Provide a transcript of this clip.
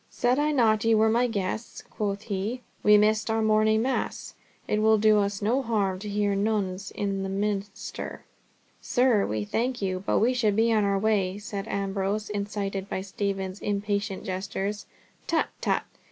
"Said I not ye were my guests?" quoth he. "We missed our morning mass, it will do us no harm to hear Nones in the Minster." "Sir, we thank you, but we should be on our way," said Ambrose, incited by Stephen's impatient gestures. "Tut, tut.